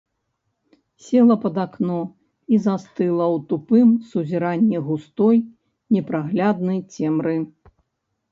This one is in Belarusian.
Села пад акно і застыла ў тупым сузіранні густой, непрагляднай цемры.